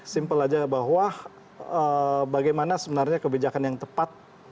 simpel aja bahwa bagaimana sebenarnya kebijakan yang tepat